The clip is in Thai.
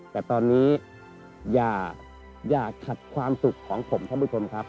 แต่ตอนนี้อย่าขัดความสุขของผมท่านผู้ชมครับ